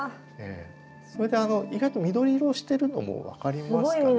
それで意外と緑色をしてるのも分かりますかね？